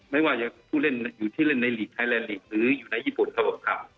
ไม่ว่าจะผู้เล่นอยู่ที่เล่นในหลีกไทยแลนดลีกหรืออยู่ในญี่ปุ่นตลอดครับ